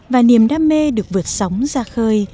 và niềm đam mê được vượt sóng ra khơi